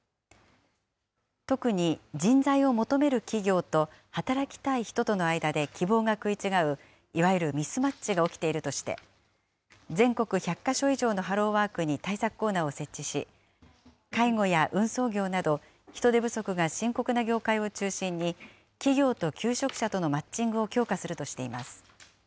特に人材を求める企業と、働きたい人との間で希望が食い違う、いわゆるミスマッチが起きているとして、全国１００か所以上のハローワークに対策コーナーを設置し、介護や運送業など、人手不足が深刻な業界を中心に、企業と求職者とのマッチングを強化するとしています。